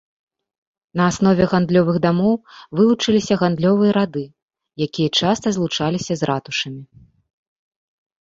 На аснове гандлёвых дамоў вылучыліся гандлёвыя рады, якія часта злучаліся з ратушамі.